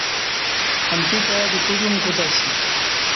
امکی کائی دی کودیوم کوتہ اسی